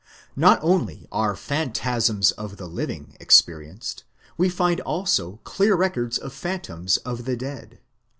Not only are phantasms of the living experienced, we find also clear records of phantoms of the dead.